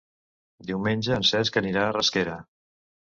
Diumenge en Cesc anirà a Rasquera.